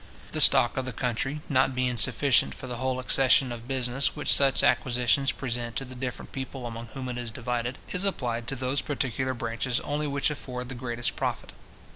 The stock of the country, not being sufficient for the whole accession of business which such acquisitions present to the different people among whom it is divided, is applied to those particular branches only which afford the greatest profit.